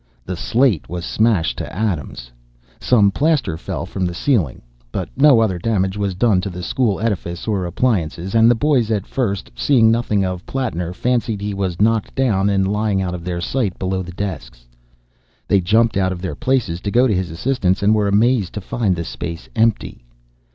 The slate was smashed to atoms. Some plaster fell from the ceiling. No other damage was done to the school edifice or appliances, and the boys at first, seeing nothing of Plattner, fancied he was knocked down and lying out of their sight below the desks. They jumped out of their places to go to his assistance, and were amazed to find the space empty.